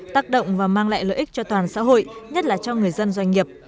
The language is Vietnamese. tác động và mang lại lợi ích cho toàn xã hội nhất là cho người dân doanh nghiệp